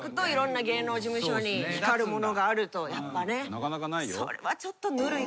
なかなかないよ。えっ！？